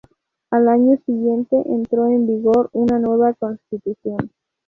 Al año siguiente entró en vigor una nueva Constitución.